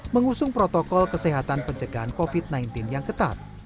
mengusung protokol kesehatan pencegahan covid sembilan belas yang ketat